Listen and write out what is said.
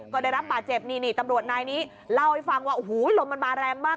ก็ได้รับบาดเจ็บนี่นี่ตำรวจนายนี้เล่าให้ฟังว่าโอ้โหลมมันมาแรงมาก